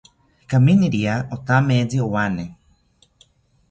Kaminiria othameitzi owane